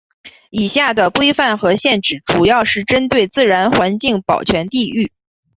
以下的规范和限制主要是针对自然环境保全地域。